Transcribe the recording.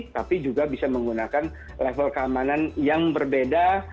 tapi juga bisa menggunakan level keamanan yang berbeda